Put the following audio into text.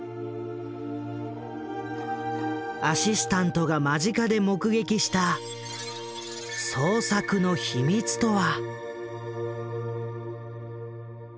アシスタントが間近で目撃した創作の秘密とは？